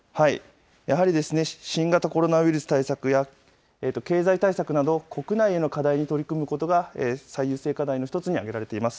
やはり、新型コロナウイルス対策や、経済対策など、国内の課題に取り組むことが最優先課題の一つに挙げられています。